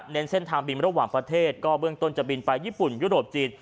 เส้นทางบินระหว่างประเทศก็เบื้องต้นจะบินไปญี่ปุ่นยุโรปจีน